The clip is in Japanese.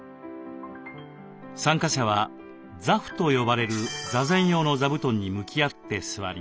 参加者は坐蒲と呼ばれる座禅用の座布団に向き合って座ります。